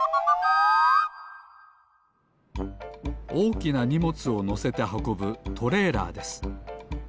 おおきなにもつをのせてはこぶトレーラーです。